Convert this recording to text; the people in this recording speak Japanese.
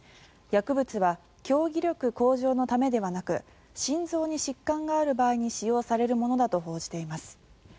薬物は競技力向上のためではなく心臓に疾患がある場合に使用されるものだと報じています。